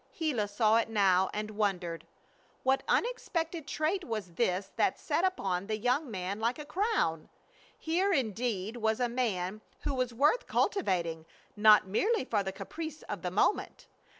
Gila saw it now and wondered. What unexpected trait was this that sat upon the young man like a crown? Here, indeed, was a man who was worth cultivating, not merely for the caprice of the moment.